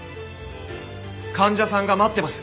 患者さんが待ってます。